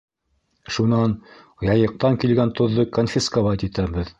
Шунан Яйыҡтан килгән тоҙҙо конфисковать итәбеҙ.